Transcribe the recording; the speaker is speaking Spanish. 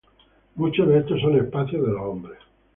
Muchos de estos son espacios de los hombres.